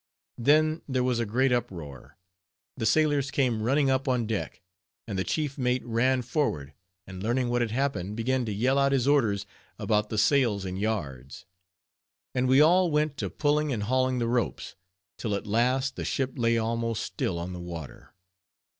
Then there was a great uproar; the sailors came running up on deck; and the chief mate ran forward, and learning what had happened, began to yell out his orders about the sails and yards; and we all went to pulling and hauling the ropes, till at last the ship lay almost still on the water.